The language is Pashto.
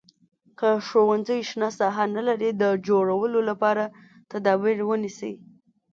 که ښوونځی شنه ساحه نه لري د جوړولو لپاره تدابیر ونیسئ.